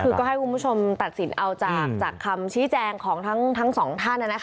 คือก็ให้คุณผู้ชมตัดสินเอาจากคำชี้แจงของทั้งสองท่าน